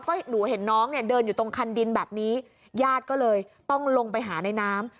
ก็หนูเห็นน้องเนี่ยเดินอยู่ตรงคันดินแบบนี้ญาติก็เลยต้องลงไปหาในน้ำ